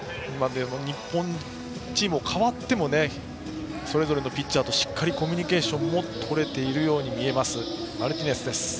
チームが変わってもそれぞれのピッチャーとコミュニケーションを取れているように見えるマルティネスです。